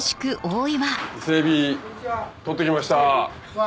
伊勢エビ取ってきました！